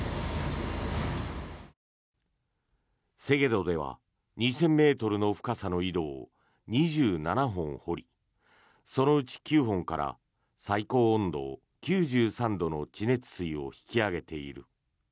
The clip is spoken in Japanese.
セゲドでは２０００ｍの深さの井戸を２７本掘り、そのうち９本から最高温度９３度の地熱水を引き上げている。